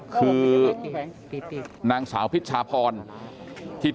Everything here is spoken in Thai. กลุ่มตัวเชียงใหม่